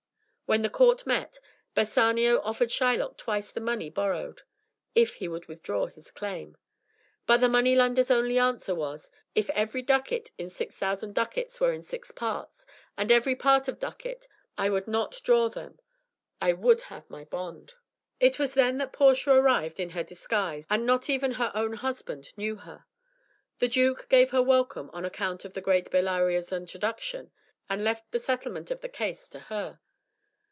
When the court met, Bassanio offered Shylock twice the money borrowed, if he would withdraw his claim. But the money lender's only answer was "If every ducat in six thousand ducats Were in six parts, and every part a ducat, I would not draw them, I would have my bond" It was then that Portia arrived in her disguise, and not even her own husband knew her. The duke gave her welcome on account of the great Bellario's introduction, and left the settlement of the case to her.